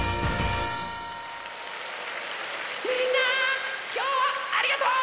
みんなきょうはありがとう！